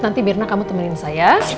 nanti mirna kamu temenin saya